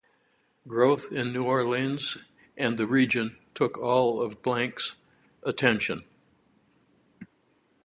Growth in New Orleans and the region took all of Blanc's attention.